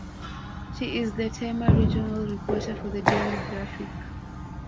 She is the Tema regional reporter for the Daily Graphic.